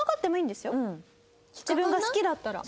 自分が好きだったら。